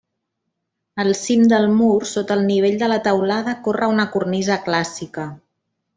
Al cim del mur, sota el nivell de la teulada corre una cornisa clàssica.